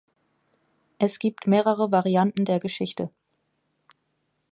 Es gibt mehrere Varianten der Geschichte.